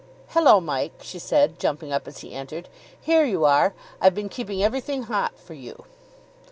"Hullo, Mike," she said, jumping up as he entered; "here you are I've been keeping everything hot for you."